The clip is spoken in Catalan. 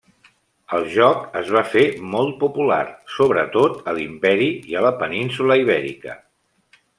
El joc es va fer molt popular, sobretot a l'Imperi i a la península Ibèrica.